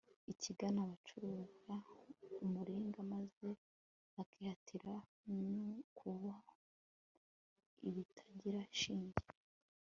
akigana abacura umuringa, maze akiratira kubumba ibitagira shinge